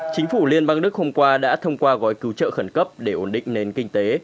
chính phủ liên bang đức hôm qua đã thông qua gói cứu trợ khẩn cấp để ổn định nền kinh tế